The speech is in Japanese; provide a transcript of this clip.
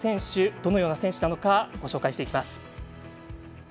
どのような選手なのかご紹介していきます。